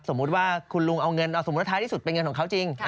สมมุติว่าคุณลุงเอาเงินเอาสมมุติท้ายที่สุดเป็นเงินของเขาจริง